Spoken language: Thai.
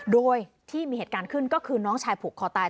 โดยที่มีเหตุการณ์ขึ้นก็คือน้องชายผูกคอตาย